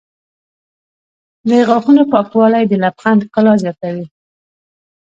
د غاښونو پاکوالی د لبخند ښکلا زیاتوي.